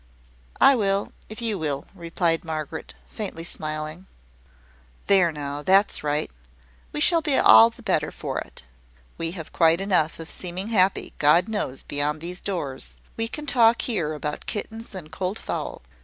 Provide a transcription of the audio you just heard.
"I will, if you will," replied Margaret, faintly smiling. "There now, that's right! We shall be all the better for it. We have quite enough of seeming happy, God knows, beyond these doors. We can talk there about kittens and cold fowl.